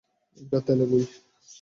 এটা তেলেগুই?